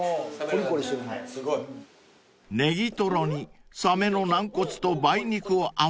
［ネギトロにサメの軟骨と梅肉を合わせたうめほね］